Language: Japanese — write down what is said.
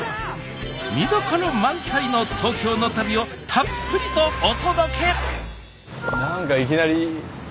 見どころ満載の東京の旅をたっぷりとお届け！